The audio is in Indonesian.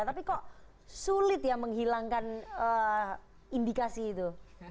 tapi kok sulit ya menghilangkan indikasi itu